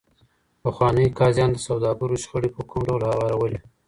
پخوانیو قاضیانو د سوداګرو شخړې په کوم ډول هوارولې؟